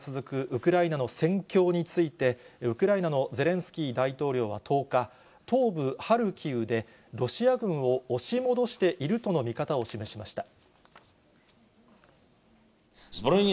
ウクライナの戦況について、ウクライナのゼレンスキー大統領は１０日、東部ハルキウで、ロシア軍を押し戻しているとの見方を示しました。